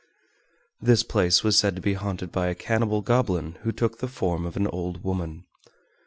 This place was said to be haunted by a cannibal goblin who took the form of an old woman.